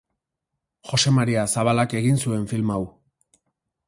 Jose Maria Zabalak egin zuen film hau.